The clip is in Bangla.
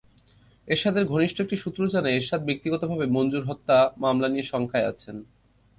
এরশাদের ঘনিষ্ঠ একটি সূত্র জানায়, এরশাদ ব্যক্তিগতভাবে মঞ্জুর হত্যা মামলা নিয়ে শঙ্কায় আছেন।